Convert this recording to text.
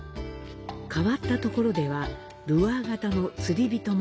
変わったところでは、ルアー型の「釣人守」。